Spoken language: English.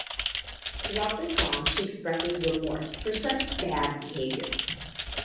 Throughout the song she expresses remorse for such "bad" behavior.